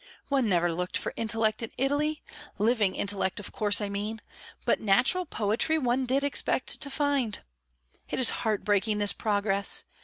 One never looked for intellect in Italy living intellect, of course, I mean but natural poetry one did expect and find. It is heart breaking, this progress!